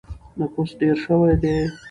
نفوس ډېر شوی دی.